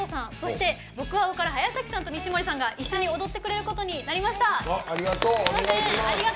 僕青から早崎さんと西森さんが一緒に踊ってくれることになりました。